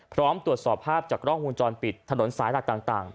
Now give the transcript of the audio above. พร้อมตรวจสอบภาพจากกล้องวงจรปิดถนนสายหลักต่าง